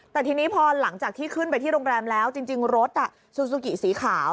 แต่ทีนี้พอหลังจากที่ขึ้นไปที่โรงแรมแล้วจริงรถซูซูกิสีขาว